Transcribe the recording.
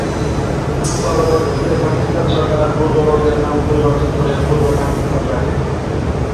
পরবর্তীতে পাকিস্তান সরকার পূর্ববঙ্গের নাম পরিবর্তন করে পূর্ব পাকিস্তান রাখে।